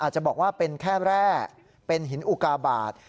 จะบอกว่าเป็นแค่แร่เป็นหินอุกาบาท